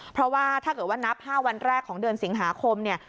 เพราะว่าถ้าเกิดว่านับ๕วันแรกของเดือนสิงหาคมเนี่ย